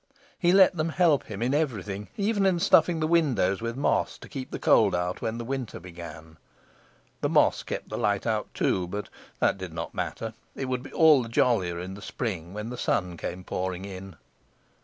He let them help him in everything, even in stuffing the windows with moss to keep the cold out when winter began. The moss kept the light out too, but that did not matter. It would be all the jollier in the spring when the sun came pouring in.